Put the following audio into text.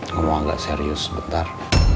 ngomong agak serius sebentar